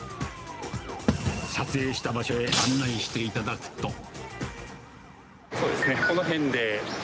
撮影した場所へ案内していただくそうですね、この辺で。